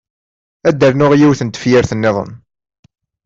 Ad d-rnuɣ yiwet n tefyirt-nniḍen.